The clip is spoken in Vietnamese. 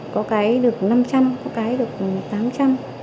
có cái được năm trăm linh có cái được tám trăm linh